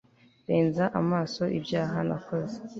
renza amaso ibyaha nakoze